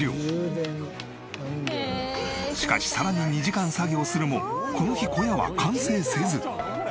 しかしさらに２時間作業するもこの日小屋は完成せず。